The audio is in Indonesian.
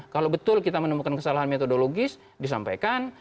kalau betul kita menemukan kesalahan metodologis disampaikan